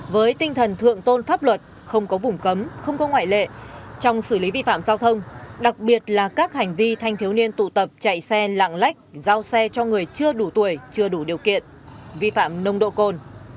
với tinh thần thượng tôn pháp luật không có vùng cấm không có ngoại lệ trong xử lý vi phạm giao thông đặc biệt là các hành vi thanh thiếu niên tụ tập chạy xe lạng lách giao xe cho người chưa đủ tuổi chưa đủ điều kiện vi phạm nông độ cồn